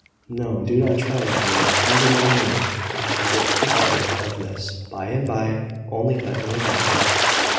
"No, do not try, Edward. Never mind me! I shall get the better of this, by and by: only let me alone."